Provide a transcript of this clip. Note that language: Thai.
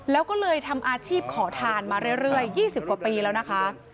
แล้วก็เลยทำอาชีพขอทานมาเรื่อย๒๐กว่าปีแล้วนะคะ